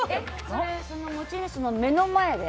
それ、持ち主の目の前で？